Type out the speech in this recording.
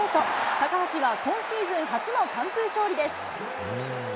高橋は今シーズン初の完封勝利です。